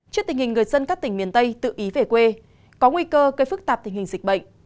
trước tình hình người dân các tỉnh miền tây tự ý về quê có nguy cơ gây phức tạp tình hình dịch bệnh